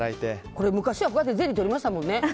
これ昔はこうやってゼリーとりましたもんね。